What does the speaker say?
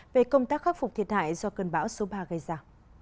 về công tác khắc phục thiệt hại do cơn bão số ba gây ra